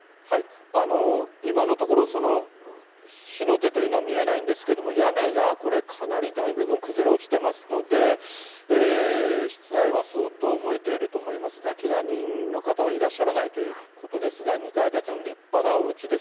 今のところ、火の手というのは見えないんですけれども、屋根がこれ、かなり、大部分、崩れ落ちてますので、室内は相当燃えていると思いますが、けが人の方はいらっしゃらないということですが、２階建ての立派なおうちです。